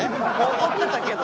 怒ってたけど。